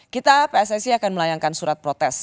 kita pssi akan melayangkan surat protes